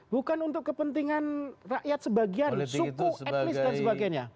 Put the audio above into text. bukan untuk kepentingan rakyat sebagian suku etnis dan sebagainya